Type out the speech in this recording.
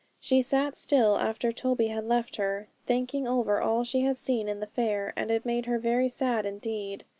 She sat still after Toby had left her, thinking over all she had seen in the fair; and it made her very sad indeed.